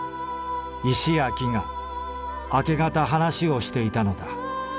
石や木が明け方話をしていたのだ。